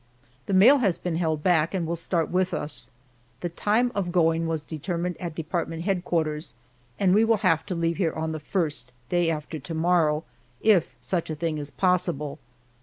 The mail has been held back, and will start with us. The time of going was determined at Department Headquarters, and we will have to leave here on the first day after to morrow if such a thing is possible.